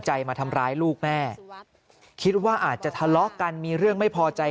มาทำร้ายลูกแม่คิดว่าอาจจะทะเลาะกันมีเรื่องไม่พอใจ